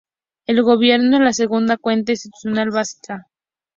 El gobierno es la segunda cuenta institucional básica.